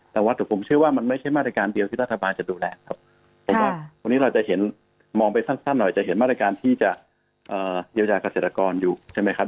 แต่ว่าแต่ผมเชื่อว่ามันไม่ใช่มาตรการเดียวที่รัฐบาลจะดูแลครับผมว่าวันนี้เราจะเห็นมองไปสั้นหน่อยจะเห็นมาตรการที่จะเยียวยาเกษตรกรอยู่ใช่ไหมครับ